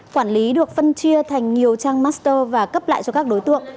quản lý được phân chia thành nhiều trang master và cấp lại cho các đối tượng